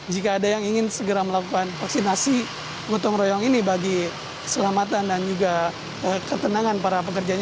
jika ada yang ingin segera melakukan vaksinasi gotong royong ini bagi keselamatan dan juga ketenangan para pekerjanya